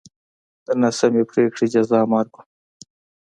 د ناسمې پرېکړې جزا مرګ و.